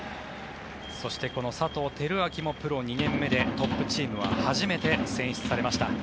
そして、この佐藤輝明もプロ２年目でトップチームは初めて選出されました。